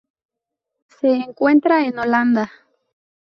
Se encuentra en Holanda.